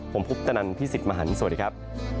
ผมพุทธนันพี่สิทธิ์มหันฯสวัสดีครับ